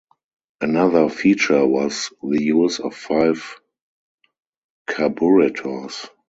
Another feature was the use of five carburetors.